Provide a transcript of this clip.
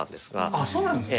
あっそうなんですか！